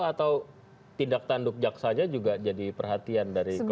atau tindak tanduk jaksanya juga jadi perhatian dari komisi